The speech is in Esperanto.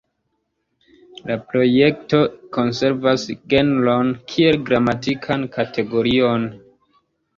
La projekto konservas genron kiel gramatikan kategorion.